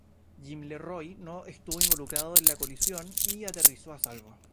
Jim LeRoy no estuvo involucrado en la colisión y aterrizó a salvo.